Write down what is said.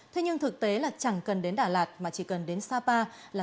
thế nhưng thực tế là chẳng cần đến đà lạt mà chỉ cần đến sapa là